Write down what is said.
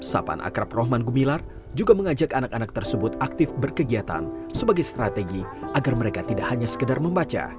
sapan akrab rohman gumilar juga mengajak anak anak tersebut aktif berkegiatan sebagai strategi agar mereka tidak hanya sekedar membaca